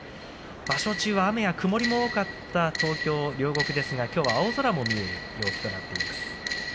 場所中は雨や曇りの多かった東京・両国ですがきょうは青空も見えています。